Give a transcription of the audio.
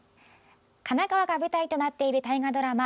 神奈川が舞台となっている大河ドラマ